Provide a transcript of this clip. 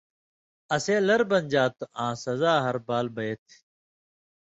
اسے لر بنژا تھو آں سزا ہاریۡ بال بیں تھی۔